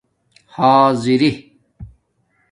حآضِری